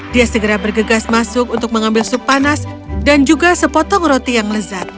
dia segera bergegas masuk untuk mengambil sup panas dan juga sepotong roti yang lezat